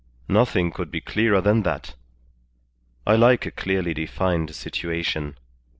Nothing could be clearer than that. I like a clearly defined situation.